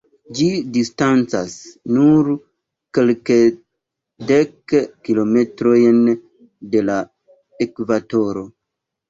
Ĝi distancas nur kelkdek kilometrojn de la ekvatoro.